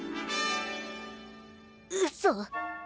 うそ。